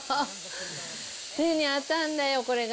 手に当たんだよ、これが。